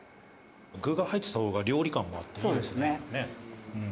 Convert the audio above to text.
「具が入ってた方が料理感もあっていいですね」